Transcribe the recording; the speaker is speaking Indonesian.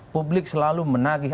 publik selalu menagih